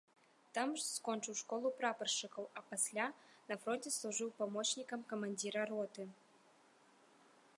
Там скончыў школу прапаршчыкаў, а пасля, на фронце служыў памочнікам камандзіра роты.